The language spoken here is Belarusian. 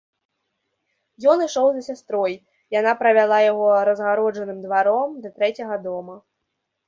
Ён ішоў за сястрой, яна правяла яго разгароджаным дваром да трэцяга дома.